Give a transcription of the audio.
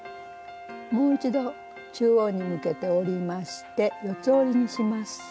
もう一度中央に向けて折りまして四つ折りにします。